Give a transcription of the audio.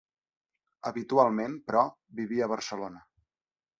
Habitualment, però, vivia a Barcelona.